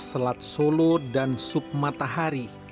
selat solo dan sup matahari